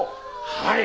はい！